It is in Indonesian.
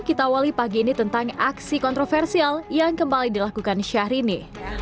kita awali pagi ini tentang aksi kontroversial yang kembali dilakukan syahrini